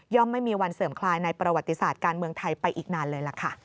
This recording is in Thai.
ไม่มีวันเสื่อมคลายในประวัติศาสตร์การเมืองไทยไปอีกนานเลยล่ะค่ะ